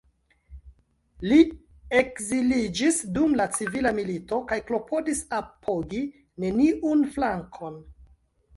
Li ekziliĝis dum la civila milito, kaj klopodis apogi neniun flankon.